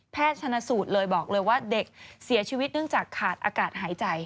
ชนะสูตรเลยบอกเลยว่าเด็กเสียชีวิตเนื่องจากขาดอากาศหายใจ